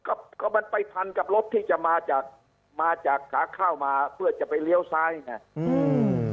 ก็ก็มันไปพันกับรถที่จะมาจากมาจากขาเข้ามาเพื่อจะไปเลี้ยวซ้ายไงอืม